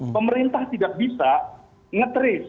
pemerintah tidak bisa ngetris